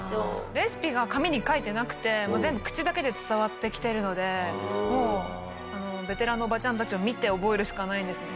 レシピが紙に書いてなくてもう全部口だけで伝わってきてるのでもうベテランのおばちゃんたちを見て覚えるしかないんですね。